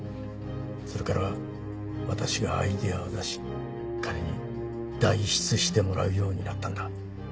それから私がアイデアを出し彼に代筆してもらうようになったんだ。